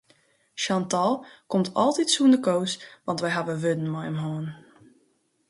Chantal komt altyd sûnder Koos want wy hawwe wurden mei him hân.